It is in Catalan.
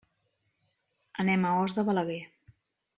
Anem a Os de Balaguer.